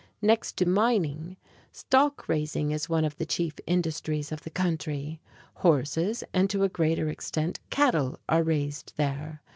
Next to mining, stock raising is one of the chief industries of the country. Horses and, to a greater extent, cattle, are raised there.